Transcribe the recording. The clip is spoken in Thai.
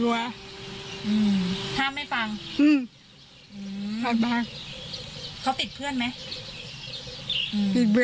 ทำไมเขาถึงเที่ยวบ่อยครับ